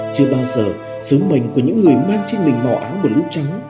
chưa bao giờ sứ mệnh của những người mang trên mình màu áo bờ lũ trắng